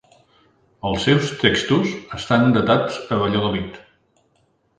Els seus textos estan datats a Valladolid.